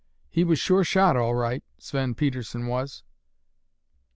He was sure shot all right, Sven Pedersen was."